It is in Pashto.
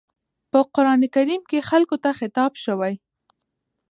په قرآن کريم کې خلکو ته خطاب شوی.